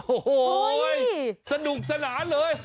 โอ้โหสนุกสนานเลย